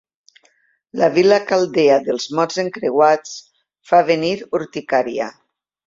La vila caldea dels mots encreuats fa venir urticària.